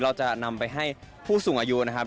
เราจะนำไปให้ผู้สูงอายุนะครับ